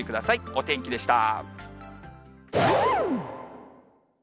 お天気でした。